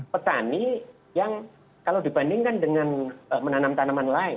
petani yang kalau dibandingkan dengan menanam tanaman lain